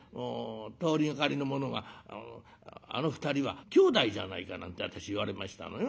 通りがかりの者があの２人はきょうだいじゃないかなんて私言われましたのよ。